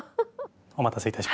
お待たせいたしました。